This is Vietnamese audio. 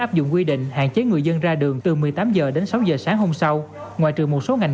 áp dụng quy định hạn chế người dân ra đường từ một mươi tám h đến sáu h sáng hôm sau ngoại trừ một số ngành